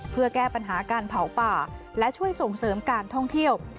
เพื่อแก้ปัญหาการเผาป่าและช่วยส่งเสริมการท่องเที่ยว